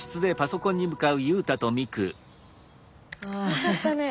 よかったね。